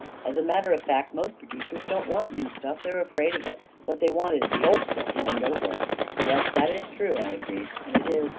As a matter of fact, most producers don't want new stuff. They're afraid of it. What they want is the old stuff warmed over I "" Yes, that's true," I agreed. And it is.